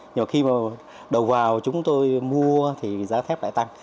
nhưng mà khi mà đầu vào chúng tôi mua thì giá thép lại tăng